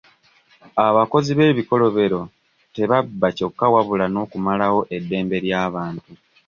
Abakozi b'ebikolobero tebabba kyokka wabula nokumalawo eddembe ly'abantu.